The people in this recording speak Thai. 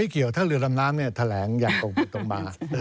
สิ่งที่ดำน้ำเนี่ยแถลงอย่างตรงบิดตรงมา